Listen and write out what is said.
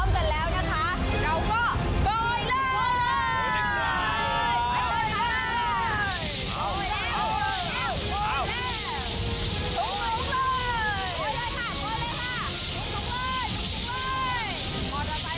กันแล้วนะคะเราก็โกยเลย